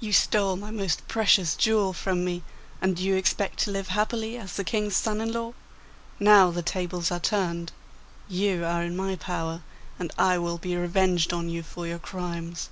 You stole my most precious jewel from me, and do you expect to live happily as the King's son in law? Now the tables are turned; you are in my power, and I will be revenged on you for your crimes.